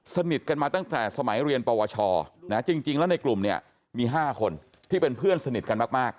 สนิทกันมาตั้งแต่สมัยเรียนปวชนะจริงแล้วในกลุ่มเนี่ยมี๕คนที่เป็นเพื่อนสนิทกันมาก